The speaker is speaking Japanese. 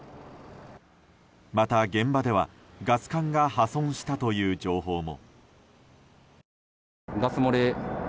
また、現場ではガス管が破損したという情報も。